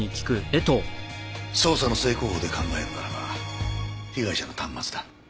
捜査の正攻法で考えるならば被害者の端末だ。